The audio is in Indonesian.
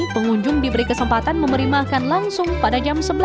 pengunjung diberi kesempatan memberi makan langsung pada jam sebelas